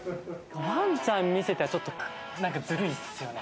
わんちゃん見せたらちょっとなんかずるいですよね。